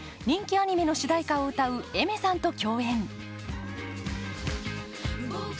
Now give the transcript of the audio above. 人気アニメの主題歌を歌うＡｉｍｅｒさんと共演。